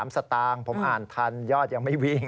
สตางค์ผมอ่านทันยอดยังไม่วิ่ง